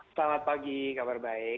selamat pagi kabar baik